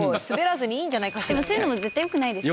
そういうの絶対よくないです？